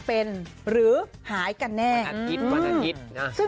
โปรดติดตามต่อไป